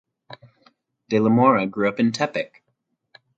De la Mora grew up in Tepic.